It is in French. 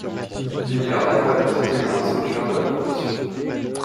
L'univers d'Aqua est présenté comme un sanctuaire de la corruption.